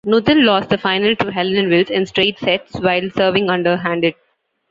Nuthall lost the final to Helen Wills in straight sets while serving under-handed.